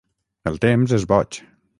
El temps és boig.